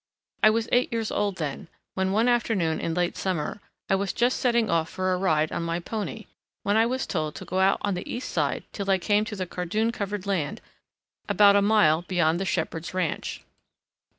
I was eight years old then, when one afternoon in late summer I was just setting off for a ride on my pony, when I was told to go out on the east side till I came to the cardoon covered land about a mile beyond the shepherd's ranch.